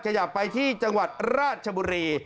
ขยับไปที่จังหวัดราชบุรี